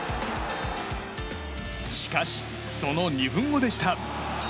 しかし、その２分後でした。